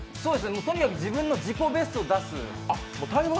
とにかく自分の自己ベストを出す。